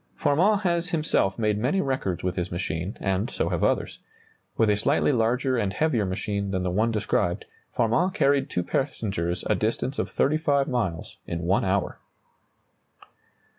] Farman has himself made many records with his machine, and so have others. With a slightly larger and heavier machine than the one described, Farman carried two passengers a distance of 35 miles in one hour.